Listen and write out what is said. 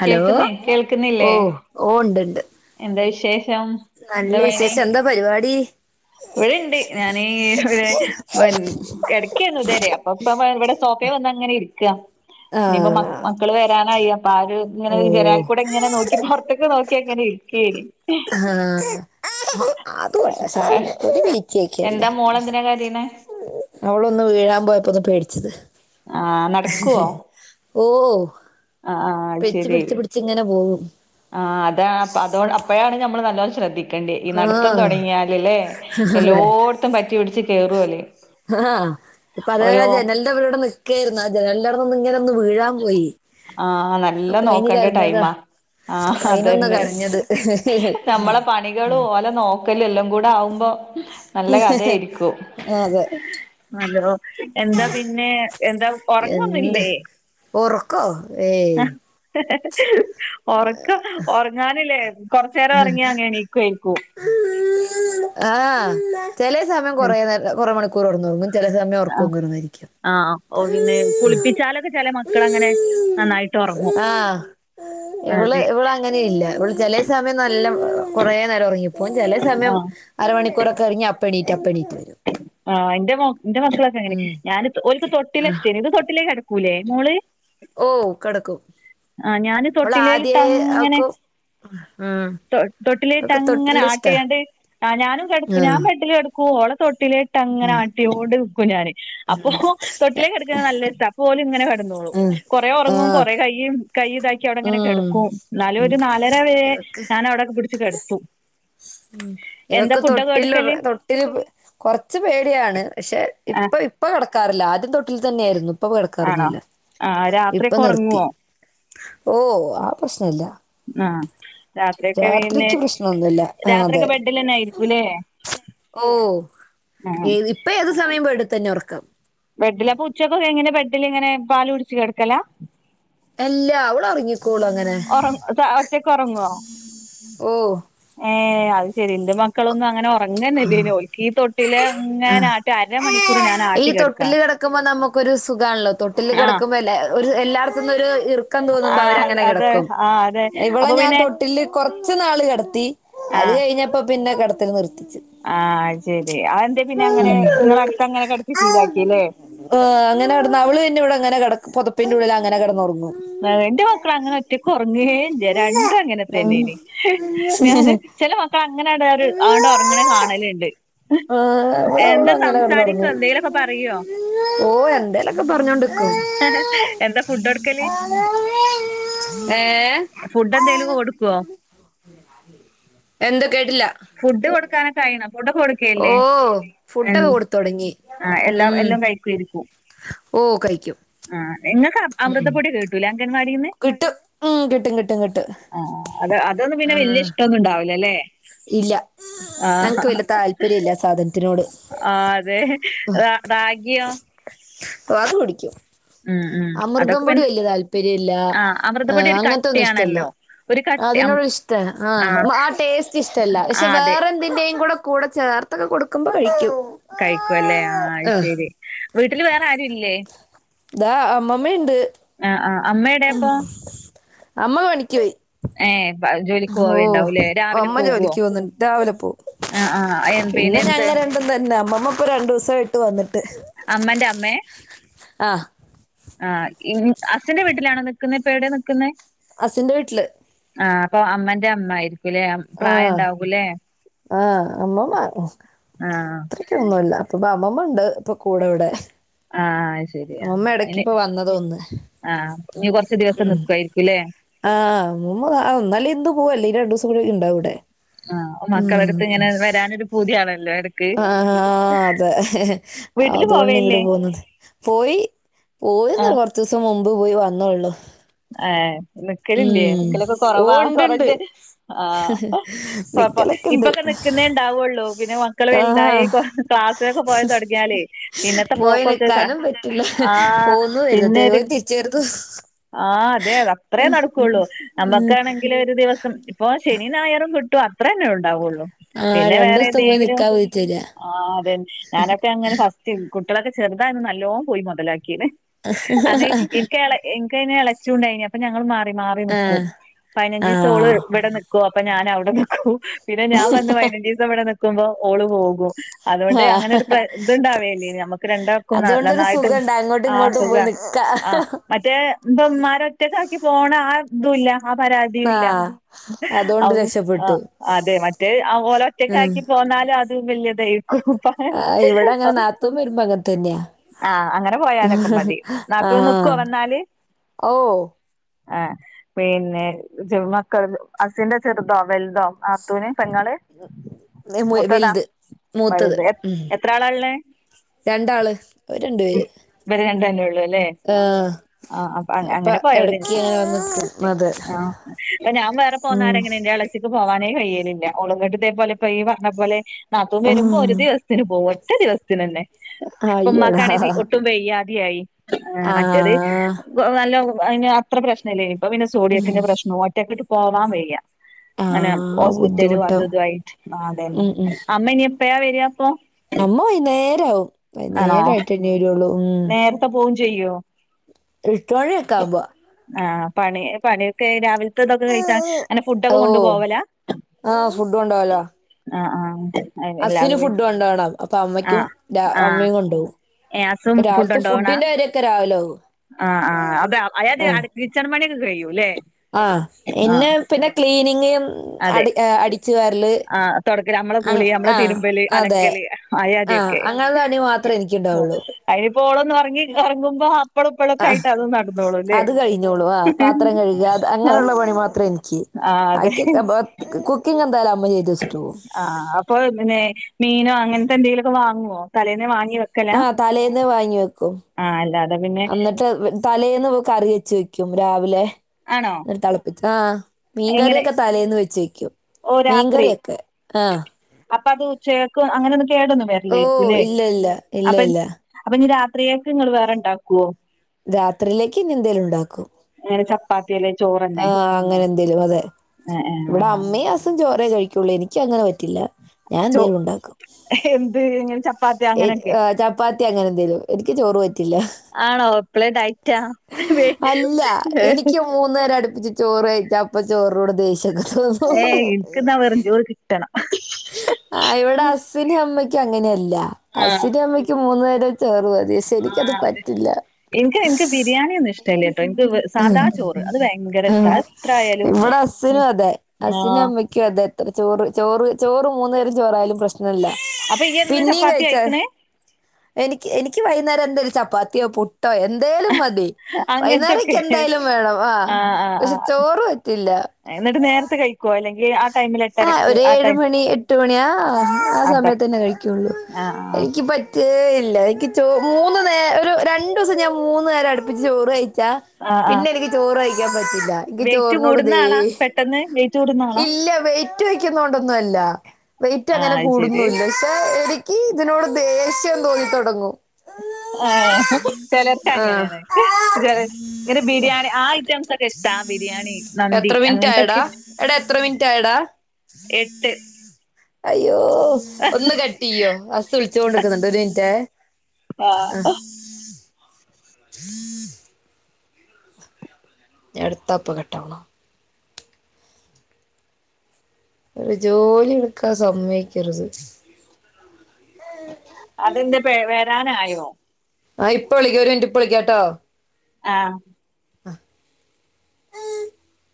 Hello. കേൾക്കുന്നേ ഓ കേൾക്കുന്നില്ലേ ഓ ണ്ട്ണ്ട്. എന്താ വിശേഷം? നല്ല വിസേഷം. എന്താ പരിപാടി വടെണ്ട്. ഞാനീ [unintelligible] കെട്ക്കേ ര്ന്നുതരെ. അപ്പം പ്പം വ വടെ സോഫേ വന്നങ്ങനെ ഇര്ക്കാ. നിപ്പം ആഹ് മക് മക്കള് വരാനായി. അപ്പാ ആര് ങ്ങനെ ഓ ജനാൽക്കൂടെ ങ്ങനെ നോക്കി പൊർത്ത്ക്ക് നോക്കി അങ്ങനെ ഇരിക്കെയ്നി. ആഹ് അ അത് പോട്ടെ സാരല്ല [unintelligible] ചെയ്ക്കല്ലെ എന്താ മോള് എന്തിനാ കരയണേ അവളൊന്ന് വീഴാൻ പോയപ്പോ ഒന്ന് പേടിച്ചത് ആ നടക്കുവോ ഓഹ് ആ ആ പിച്ച് പിട്ച്ച് പിട്ച്ച് ങ്ങനെ പോവും. ആഹ് അതാ അപ്പ അതോ അപ്പഴാണ് ഞമ്മള് നല്ലോ ശ്രദ്ധി ക്കണ്ട്യെ. ഈ നടത്തം ആഹ് തൊടങ്ങിയാല് ലേ. എല്ലോട്ത്തും പറ്റിപിട്ച്ച് കേറും ഓല്. ആഹാ. ഇപ്പ അതേ ഓരോ ജനൽ തവ്ടെ വ്‌ടെ നിക്കേര്ന്ന. ആഹ് ജനാൽൻ്റെവ്ട്ന്ന് ങ്ങനെ ഒന്ന് വീഴാൻ പോയി ആ നല്ല അപ്പൊ അയിന് നോക്കണ്ട കരഞ്ഞതാ ടൈമാ ആ അയിനൊന്ന ഹതന്നെ കരഞ്ഞത് നമ്മളെ പണികളും ഓലെ [unintelligible] [unintelligible] എല്ലാം കൂടെ ആവുമ്പോ നല്ല കഥയായിരിക്കും അതെ [unintelligible] എന്താ പിന്നെ എന്താ ഉറങ്ങൊന്നുല്ലേ ഒറക്കോ ഏയ് ഉറക്ക ഉറങ്ങാനില്ലേ കൊർചേരം ഉറങ്ങിയ അങ്ങ് [unintelligible] ആ ചെലേ സമയം കൊറെ നേരം കൊറെ [unintelligible] ചില സമയം [unintelligible] ആ ഓ പിന്നെ കുളിപ്പിച്ചാലൊക്കെ ചില മക്കൾ അങ്ങനെ നന്നായിട്ട് ഉറങ്ങും ആ ഇവള് അതെ ഇവളങ്ങനെല്ല ഇവള് ചെലേ സമയം നല്ല കൊറെ നേരം [unintelligible] ഓൻ ചെലെ സമയം ആഹ് അരമണിക്കൂറൊക്കെ കഴിഞ്ഞ് അപ്പ എണീറ്റ് അപ്പ എണീട്ട് വരും ആ എന്റെ [unintelligible] എന്റെ മക്കളൊക്കെങ്ങനെ ഉം ഞാന് ഓൽക് തൊട്ടില് ഇഷ്ന്ന് ഇത് തൊട്ടില് കെടക്കൂലേ മോള് ഓ കെടക്കും ആ ഞാന് തൊട്ടിലേലിട്ട് അങ്ങനെ ഉം [inaudible] തൊട്ടില് ഇട്ട് അവക്ക് അങ്ങനെ തൊട്ടിലിന്റെ ഇഷ്ടാ ആട്ടായാണ്ട് ആ ഞാനും [unintelligible] ആ ഞാൻ ബെഡിൽ [unintelligible] [unintelligible] ഓള തൊട്ടിലിട്ട് അങ്ങനെ ആ ആട്ടിയോണ്ട് നിക്കും ഞാന് അപ്പൊ തൊട്ടിലേ കിടക്ക നല്ല ഇഷ്ടം അപ്പ ഓല് ങ്ങനെ കെട്ന്നോളൂ കുറെ ആ ഉറങ്ങും കുറേ [unintelligible] [unintelligible] അവിടെങ്ങനെ ഉം കെടക്കും ന്നാലും ഒരു നാലര വരെ ഇവക്ക് ഞാൻ അവിടെ പിടിച്ച് കെടത്തും ഇവക്ക് തൊട്ടിൽ തൊട്ടില് [unintelligible] കൊറച്ച് പേടിയാണ് പക്ഷെ ആ ഇപ്പൊ ഇപ്പ കടക്കാറില്ല ആദ്യം തൊട്ടിൽ തന്നെയായിരുന്നു ഇപ്പ ആണോ കിടക്കാറൊന്നുല്ല ആ ഇപ്പ രാത്രിയൊക്കെ നിർത്തി ഉറങ്ങുവോ ഓ ആ പ്രശ്നല്ല ആ [inaudible] രാത്രിയൊക്കെ പിന്നെ രാത്രിക്ക് പ്രശ്നന്നൂല്യ ആ രാത്രിയൊക്കെ അതെ ബെഡിൽ തന്നെ ആയിരിക്കൂല്ലേ ഓ ആ [unintelligible] ഇപ്പൊ ഏത് സമയും [unintelligible] തന്നെ ഉറക്കം ബെഡിൽ അപ്പ [unintelligible] ബെഡിൽ ഇങ്ങനെ പാല് കുടിച്ച് കിടക്കലാ എല്ലാ ഓൾ ഒറങ്ങിക്കോളും അങ്ങനെ [unintelligible] ഒറ്റക്കുറങ്ങോ ഓ ഏ [unintelligible] [unintelligible] ന്റെ മക്കളൊന്നും അങ്ങനെ ഉറങ്ങന്നില്ലേയ്നു ഒൽക്ക് ഈ [unintelligible] ആ അങ്ങനെ ആട്ടി അരമണിക്കൂർ ഞാൻ ഈ ആട്ടി തൊട്ടിൽ കെടക്കണം കിടക്കുമ്പോ നമുക്കൊരു സുഖാണല്ലോ തൊട്ടിൽ ആഹ് കിടക്കുമ്പോ [unintelligible] എല്ലാർത്തുംന്നും ഒരു ഇറുക്കം തോന്നുമ്പോ ആഹ് അത് അവരങ്ങനെ അതെ കിടക്കും ആഹ് അതെ ഇവളെ അപ്പൊ ഞാൻ പിന്നെ തൊട്ടില് കൊറച്ചു നാള് കെടത്തി അത് കഴിഞ്ഞപ്പോ പിന്നെ കെടത്തൽ നിർത്തി ആ അത്ശരി അതെന്തെ പിന്നെ അങ്ങനെ ങ്ങളെ അടുത്ത് അങ്ങനെ കെടത്തി ശീലാക്കില്ലേ ആ അങ്ങനെ കടന്ന് അവള് [unintelligible] ഇവിടെ ങ്ങനെ [unintelligible] പൊതപ്പിന്റെ ഉള്ളിൽ അങ്ങനെ കിടന്നുറങ്ങും [unintelligible] മക്കൾ അങ്ങനെ ഒറ്റക്ക് ഉറങ്ങെ ല്ല്യാ രണ്ടും അങ്ങനെ തന്നേന് ഞാന് [unintelligible] [unintelligible] ഒരു ആണ്ട് ഒറങ്ങണെ കാണലുണ്ട് ആ [unintelligible] അങ്ങനെ കിടന്നോറങ്ങും എന്തേലൊക്കെ പറയോ ഓ എന്തേലൊക്കെ പറഞ്ഞോണ്ട്കും [inaudible] എന്താ ഫുഡ് കൊടുക്കല് ഏ ഫുഡ് എന്തേലും [unintelligible] കൊടുക്കോ എന്ത് കേട്ടില്ല ഫുഡ് കൊടുക്കാനക്കെ അയിനൊ ഫുഡൊക്ക [unintelligible] ഓ ഫുഡോക്കെ കൊടുത്തൊടങ്ങി ആഹ് എല്ലാ ഉം [unintelligible] ഓ കയിക്കും ആ ങ്ങക്ക് അമൃതപ്പൊടി ഒക്കെ കിട്ടൂലേ അങ്കൻവാടിന്ന് കിട്ടും ഉം കിട്ടും കിട്ടും കിട്ടും ആ അത് അതൊന്നും പിന്നെ ആഹ് വല്യ ഇഷ്ടൊന്നും ണ്ടാവില്ലല്ലെ ഇല്ല ഞങ്ങക്ക് വല്ല്യാ താല്പര്യല്ല ആ സാധനത്തിനോട് ആ അതെ റാ റാഗിയോ? ഓഹ് അത് കുടിക്കും. ഉം ഉം അമൃതം അതൊക്കെ പൊടി പിന്നെ വല്യ താല്പര്യ ഇല്ല ആഹ് അമൃതപ്പൊടി ഒരു അങ്ങനത്തെ ഒന്നും കട്ടിയാണല്ലോ ഇഷ്ടല്ല്യാ. ഒരു കട്ടി അം അതിനോട് ഇഷ്ടം ആഹ് ആ ടേസ്റ്റ് ഇഷ്ട അല്ല പക്ഷെ ആഹ് അതെ വേറെ എന്തിന്റെയും കൂടെ. കൂടെ ചേർത്തൊക്കെ കൊടുക്കുമ്പോ കഴിക്കും. കഴിക്കുവല്ലേ ആഹ് ശരി വീട്ടിൽ വേറെ ആരുല്ലേ? ഇതാ അമ്മമ്മയുണ്ട്. ആഹ് ആഹ് അമ്മയെവിടെ? അമ്മ പണിക്ക് പോയി. ഏഹ് ജോലിക്ക് ഓഹ് പോവലുണ്ടാവൂല്ലേ രാവിലെ അമ്മ പോകുവോ? ജോലിക്ക് പോകുന്നുണ്ട് രാവിലെ പോവും. ആഹ് ആഹ് എമ്പിന് എന്ത്‌? ഇപ്പ തന്നെ അമ്മമ്മ ഇപ്പോ രണ്ടൂസം ആയിട്ട് വന്നിട്ട്. അമ്മന്റെ അമ്മെ. ആഹ്. ആഹ് അച്ഛന്റെ വീട്ടിലാണോ നിക്കുന്നേ ഇപ്പം എവിടെയാ നിക്കുന്നേ? ഹസിന്റെ വീട്ടില്. ആഹ് അപ്പൊ അമ്മന്റെ അമ്മ ആയിരിക്കൂല്ലേ പ്രായ ആഹ് ഉണ്ടാവൂലേ. ആഹ് അമ്മമ്മ ആഹ് അത്രയ്ക്കൊന്നുല്ല അപ്പ അമ്മമ്മയുണ്ട് ഇപ്പൊ കൂടെ ഇവിടെ. ആഹ് ശരിയാ ഉമ്മ ഇടയ്ക്ക് അയിന് ഇപ്പൊ വന്നത് ഒന്ന് ആഹ് ഇനി കുറച്ച് ദിവസം നിക്കുവായിരിക്കൂല്ലേ. ആഹ് മ്മൂമ്മ ഒന്നു അല്ലേങ്കി ഇന്ന് പൂവും അല്ലെങ്കി രണ്ടൂസം കുടെ ഉണ്ടാവും ഇവിടെ. ആഹ് മക്കളടുത്ത് ഉം ഇങ്ങനെ വരാനൊരു പൂതിയാണല്ലോ എടക്ക് ആഹ് അതെ. വീട്ടില് അതൊണ്ട് ഇങ്ങട് പോവേല്ലേ പോന്നത് പോയി പോയത് ആഹ് കൊറച്ച് ദിവസം മുമ്പ് പോയി വന്നോള്ളു. ഏഹ് നി ക്കലില്ലേ ഉം നിക്കലൊക്കെ ഓ കുറവാ ഉണ്ട് ഉണ്ട് കുറഞ്ഞ് ആഹ് ഇപ്പ ഇപ്പോ നിക്കലൊക്കെ ഉണ്ട് ഇപ്പൊക്കെ നിക്കുന്നേണ്ടാവുള്ളൂ പിന്നെ മക്കള് ആഹാ വലുതായി ക്ലാസ്സിലൊക്കെ പോയിതുടങ്ങിയാലേ. പോയി നിക്കാനും പറ്റില്ല ആഹ് പോന്നു പിന്നെ വരുന്നു ഒരു പോയി തിരിച്ചു വരുന്നു. ആഹ് അതെ അത്രേ നടക്കുള്ളൂ നമ്മക്കാണെങ്കിൽ ഒരു ദിവസം. ഇപ്പൊ ശനി ഞായറും കിട്ടും അത്ര അല്ലേ ഉണ്ടാവുള്ളൂ. ആഹ് പിന്നെ രണ്ടു വേറെ ദിവസത്തെ പോയി എതെങ്കിലും നിക്കാൻ പറ്റില്ല ആഹ് അതെന്നേ ഞാനക്കെ അങ്ങനെ ഫസ്റ്റ് സ്റ്റ് കുട്ടികളൊക്കെ ചെറുതായിന്ന് നല്ലോണം പോയി മുതലാക്കിണ് അന്ന് എനിക്കാ ക്ക് അയിന് ഇളച്ചി ഉണ്ടായിന് അപ്പ ഞങ്ങൾ മാറി മാറി നീക്കും ആഹ് പതിനഞ്ച് ദിവസോ ഓള് ആഹ് ഇവിടെ നീ ക്കും അപ്പൊ ഞാനവിടെ നിക്കും പിന്നെ ഞാൻ വന്ന് പയിനഞ്ച് ദീസം ഇവിടെ നിക്കുമ്പോ ഓള് പോകും. അതൊണ്ട് അങ്ങനെ ഒരു ആഹ് പ്ര ഇത്ണ്ടാവേല്ലേ നമുക്ക് രണ്ടാക്കും അതുകൊണ്ടൊരു നന്നായിട്ടും സുഖണ്ട് അങ്ങോട്ടും ആഹ് സു ഖാ. [unintelligible] മറ്റേ പ്പോ ഇമ്മാരെ ഒറ്റക്കാക്കി പോണ ആഹ് ഇതുല്ല. ആഹ് പരാതിയുല്ല ആഹ് അതോണ്ട് രക്ഷപ്പെട്ടു. ആഹ് അതെ മറ്റേ ഓലെ ഉം ഒറ്റക്കാക്കി പോന്നാലു ന്നതും വലിയതായിരിക്കും. ആഹ് ഇവിടങ്ങനെ നാത്തൂൻ വരുമ്പോ അങ്ങൻതന്നെയാ. ആഹ് അങ്ങനെ പോയാലൊക്കെ മതി നാത്തൂ നിക്കോ ആഹ് വന്നാല്? ഓഹ്. ആഹ്. പിന്നെ മക്കൾ അസിന്റെ ചെറുതോ വലുതോ നാത്തുന് പെങ്ങള്. മൂത്തതാ വലുത് മൂത്തത് വലുത് ഉം. എത്ര ആളാ ഇള്ളേ രണ്ടാള് ഓര് രണ്ടു പേര്. ഇവര് രണ്ടല്ലേ ഉള്ളൂ അല്ലേ. ആഹ്. ആഹ് അപ്പ അങ്ങനെ പോയമതിയായിനു എടക്ക് ഇങ്ങനെ വന്ന് നിക്കും അതെ ആഹ് അപ്പൊ ഞാൻ വേറെ പോന്നാരെ ഉം എങ്ങനെ ഇന്റെ എളേ ച്ചി ഇപ്പം പോവാനേ കഴിയലില്ല ഓള് ഇങ്ങട്ട് ഇതേ പോലെ ഇപ്പ നീ പറഞ്ഞ പോലെ നാത്തൂൻ വരുമ്പോ ആഹ്. ഒരു ദിവസ ത്തിന് പോകും ഒറ്റ ദിവസത്തിന് തന്നെ ഇപ്പം അയ്യോടാ ഉമ്മാക്കാണെ ഒട്ടും വയ്യാതെ ആയി. ആഹ് മറ്റേത്. നല്ല അതിന് അത്ര പ്രശ്നമില്ലായിന് ഇപ്പൊ പിന്നെ സോഡിയത്തിന്റെ പ്രശ്നോ ഒറ്റയ്ക്ക് ഇട്ട് പോവാൻ വയ്യാ. അങ്ങനെ ആഹ് ഹോസ്പിറ്റലും അതും ബുദ്ധിമുട്ടാവും ഇതുമായിട്ട് ആഹ് അത് തന്നെ ഉം ഉം അമ്മ ഇനി എ എപ്പയാ വര അപ്പൊ അമ്മ വൈന്നേരം ആവും വൈന്നേരം ആയിട്ടെന്നെ വരുള്ളൂ ഉം ഇപ്പം പോകും ചെയ്യോ എട്ട് മണിയൊക്കെ ആവുംബോ ആഹ് പണി പണിയൊക്കെ രാവിലെ [unintelligible] കഴിച്ചാൻ അങ്ങെ ഫുഡൊക്കെ ഓ കൊണ്ടു പോവലാ ആഹ് ഫുഡ് ആഹ് ആഹ് ഹസ്ന് എല്ലാതും കഴി ഫുഡ് കൊണ്ടോവണം അപ്പൊ അമ്മയ്ക്കും ആഹ് ആഹ് അമ്മയും കൊണ്ടുപോകും ഏ ഹസും ഫുഡ് കൊണ്ടോവണാ രാവിലെ ആവും ആഹ് ആഹ് അപ്പൊ അതായത് ആഹ് അടു- കിച്ചൺ പണിയൊക്കെ കഴിയൂ ല്ലേ ആഹ് എന്നെ പിന്നെ ക്ലീനിങ് അട് അതെ അടി- അടിച്ചു വാരല് ആഹ് തൊടക്കല് നമ്മളെ കുളി നമ്മളെ ആഹ് തിരുമ്പല് അതെ അലക്കല് ആഹ് അയാദ്യൊക്കെ അങ്ങനെയുള്ള പണി മാത്- മാത്രേ എനക്ക് ഉണ്ടാവുള്ളൂ അതിനിപ്പോ ഓളൊന്ന് ഉറങ്ങി ഉറങ്ങുമ്പോ ഇപ്പളും ഇപ്പളൊക്കെ ആഹ് ആയിട്ട് അതും നടന്നോളുംല്ലേ അത് കഴിഞ്ഞോളൂ ആഹ് പാത്രം കഴുക അത് ആഹ് അങ്ങനെയുള്ള പണി മാത്രേ എനിക്ക് ആഹ് അതെ ബാക്കി കുക്കിംഗ് എന്തായാലും അമ്മ ചെയ്ത് വെച്ചിട്ട് പോവും ആഹ് ആഹ് അപ്പൊ പിന്നെ മീനോ അങ്ങനത്തെ എന്തെങ്കിലുമൊക്കെ വാങ്ങുവോ തലേന്നെ വാങ്ങി വെക്ക- ആഹ് തലേന്ന് വാങ്ങി വെക്കും അല്ലാതെ പിന്നെ എന്നിട്ട് വെ- തലേന്ന് കറി വെച്ച് വെക്കും രാവിലെ ആണോ തിളപ്പിച്ച്‌ ആഹ് എങ്ങനെ മീൻകറിയൊക്കെ തലേന്ന് വെച്ച് വെക്കും ഓ രാത്രി മീൻകറിയൊക്കെ ആ. അപ്പൊ അത് ഉച്ചകേക്കും അങ്ങനൊന്നും കേടൊന്നും വരി- ഓ! രിക്കുംല്ലേ ഇല്ല ഇല്ല. ഇല്ല അപ്പൊ ഇല്ല. അപ്പൊ ഇനി രാത്രിയേക്കു നിങ്ങൾ വേറെ ഇണ്ടാക്കുവോ രാത്രിയിലേക്ക് ഇന്നെന്തേലും ഉണ്ടാക്കും അങ്ങനെ ചപ്പാത്തി അല്ലെ ചോറ- ആഹ് അങ്ങനെ എന്തേലും അതെ ഇവിടെ ആഹ് അമ്മയും ഹസ് - ചോറേ കഴിക്കുള്ളൂ എനിക്ക് അങ്ങനെ പറ്റില്ല ഞാൻ എന്തേലും ഉണ്ടാക്കും ഹെ എന്ത് എങ്ങനെ ച ചപ്പാത്തി അങ്ങനെ എന്തേലും എനിക്ക് ചോറ് പറ്റില്ല ആണോ ഇപ്പളേ ഡയറ്റാ മൂന്നു നേരം അടുപ്പിച്ച് ചോറ് കഴിച്ചാ അപ്പൊ ചോറിനോട് ദേഷ്യൊക്കെ തോന്നും ഏയ് ഇൻക്ക്ന്നാ വെറും ചോറ് കിട്ടണം ആഹ് ഇവിടെ ഹസിനും അമ്മയ്ക്കും അങ്ങനെയല്ല ആഹ് ഹസിനും അമ്മയ്ക്ക- -ക്കും മൂന്നു നേരം ചേറ് മതി പക്ഷെ എനിക്കത് പറ്റില്ല ഇൻക്ക് ഇൻക്ക് ബിരിയാണി ഒന്നും ഇഷ്ടല്ല ട്ടോ ഇൻക്ക് സാദാ ചോറ് അത് ഭയങ്കര ഇഷ്ടാ ആഹ് ഇവിടെ ഹസ്സിനും അതെ ഹസ്സിനും ആഹ് അമ്മയ്ക്ക- അതെ എത്ര ചോറ് ചോറ് ചോറ് മൂന്നു നേരം ചോറായാലും പ്രശ്ന- ങ്ങനെല്ല അപ്പൊ ഇയ്യ് എന്നും പിന്നെയും ചപ്പാത്തി കഴിച്ച കഴിക്കണേ എനിക്ക് എനിക്ക് വൈന്നേരം ന്ത ഒരു ചപ്പാത്തിയോ പുട്ടോ എ എന്തായാലും മതി വൈകുന്നേരക്കി അങ്ങനത്തൊക്കെ എന്തായാലും വേണം ആ പക്ഷെ ചോറ് പറ്റില്ല എന്ന്ട്ട് നേരത്തെ കഴിക്കൊ അല്ലെങ്കി ആ ടൈമിൽ ആഹ് എട്ടരക്ക് ആ ഒരേഴ് ടൈം മണി എട്ട് മണി ആഹ് അതെ സമയത്തന്നെ കഴിക്കൊള്ളു ആഹ് ആഹ് ഇക്കിപ റ്റേ ഇല്ല എക്ക് ചോ മൂന്ന് നേ ഒര് രണ്ടുസം ഞാൻ മൂന്നേരം അട്പ്പിച്ച് ചോറ് കഴിച്ച ആഹ് ആഹ് പിന്നെനിക്ക് ചോറ് കഴ്ക്കാൻ പറ്റില്ല ക്ക് വെയിറ്റ് ചോറിനോട് കൂടുന്ന ആളാ ദേശ് പെട്ടെന്ന് വെയിറ്റ് കൂടുന്ന ആളാ ഇല്ല വെ വെയ്റ്റ് വെക്കുന്നോണ്ടന്നല്ല ആഹ് വെയ്റ്റ്ങ്ങന അത് ശരി കൂടുന്നൂല്ല പഷെ എനിക്കീ ഇതിനോട് ദേഷ്യം തോന്നിത്തൊടങ്ങും ആഹ് ചിലർക്ക് ആഹ് അങ്ങനെയാണ് ചില- ബിരിയാണി മന്തി എത്ര മിനിറ്റ് ആയെടാ അങ്ങനത്തൊക്കെ എടാ എത്ര എത്ര മിൻട്ടായെട എട്ട് അയ്യോ ഒന്ന് ക യ്യോ ഹസ്സ് വിൾച്ചോണ്ട്ക്ക്ന്ന്ണ്ട് ഒര് മിൻറ്റേ ആഹ് ഞട്ത്തപ്പം കട്ടോന്നോ ഒര് ജോലി ഇട്ക്കാ സമ്മയ്ക്കരുത് അതെന്തെ പേ വരാനായോ ആഹ് ഇപ്പ വിളിക്ക്യ ഒര് മിൻറ്റ് ഇപ്പ വിളിക്കാട്ടൊ ആഹ് ഉം